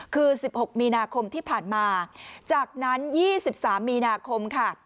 คือ๑๖มีนาคมที่ผ่านมาจากนั้น๒๓มีนาคมค่ะ